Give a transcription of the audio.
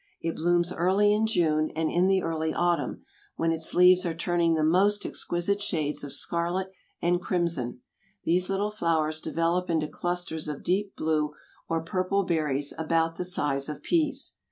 It blooms early in June and in the early autumn, when its leaves are turning the most exquisite shades of scarlet and crimson, these little flowers develop into clusters of deep blue or purple berries about the size of peas.